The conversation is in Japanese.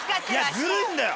ずるいんだよ！